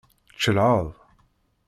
Tcelɛeḍ?